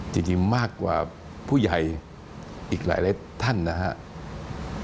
จริงมากกว่าผู้ใหญ่อีกหลายท่านนะครับ